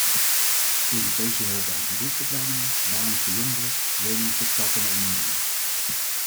Europese hulp bij beroepsopleidingen, banen voor jongeren, leningen voor startende ondernemers.